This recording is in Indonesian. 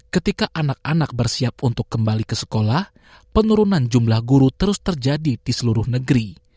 ketika anak anak bersiap untuk kembali ke sekolah penurunan jumlah guru terus terjadi di seluruh negeri